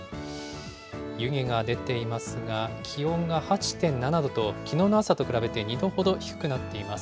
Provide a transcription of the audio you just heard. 湯気が出ていますが、気温が８．７度と、きのうの朝と比べて、２度ほど低くなっています。